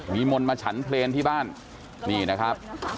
นิมนท์มาฉันเผลี้รทิบ้านนี่นะครับ